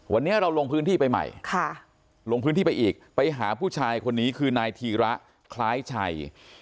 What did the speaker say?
วันนี้เราลงพื้นที่ไปใหม่ลงพื้นที่ไปอีกไปหาผู้ชายคนนี้คือนายธีระคล้ายชัย